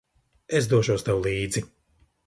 Es došos tev līdzi.